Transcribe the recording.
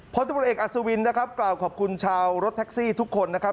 พลตำรวจเอกอัศวินนะครับกล่าวขอบคุณชาวรถแท็กซี่ทุกคนนะครับ